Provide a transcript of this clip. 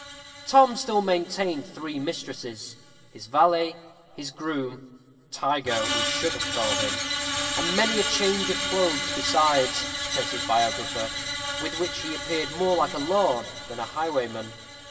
Tom still maintained three mistresses, his valet, his groom tiger, we should have called him, "and many a change of clothes besides," says his biographer, "with which he appeared more like a lord than a highwayman."